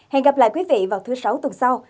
hẹn gặp lại quý vị vào thứ sáu tuần sau